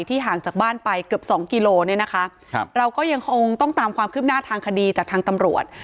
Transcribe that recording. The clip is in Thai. ห่างจากบ้านไปเกือบสองกิโลเนี่ยนะคะครับเราก็ยังคงต้องตามความคืบหน้าทางคดีจากทางตำรวจ